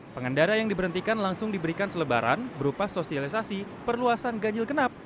pengendara yang diberhentikan langsung diberikan selebaran berupa sosialisasi perluasan ganjil genap